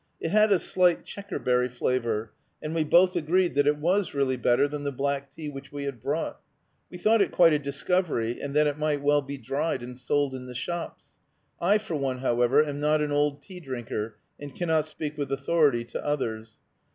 It had a slight checkerberry flavor, and we both agreed that it was really better than the black tea which we had brought. We thought it quite a discovery, and that it might well be dried, and sold in the shops. I, for one, however, am not an old tea drinker, and cannot speak with authority to others.